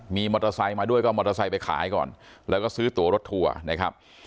มีมอเตอร์ไซค์มาด้วยก็เอามอเตอร์ไซค์ไปขายก่อนแล้วก็ซื้อตัวรถทัวร์นะครับ